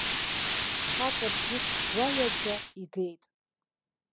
Хаҵабжьык гәаҩаӡа игеит.